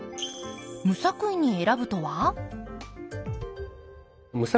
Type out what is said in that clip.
無作為に選ぶとは？